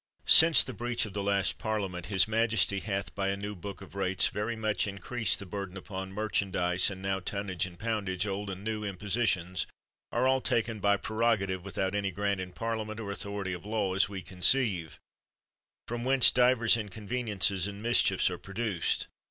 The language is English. Since the breach of the last Parliament, his majesty hath, by a new book of rates, very much increased the burden upon merchandise, and now tonnage and poundage, old and new impo sitions, are all taken by prerogative, without any grant in Parliament, or authority of law, as we conceive; from whence divers inconveniences and mischiefs are produced.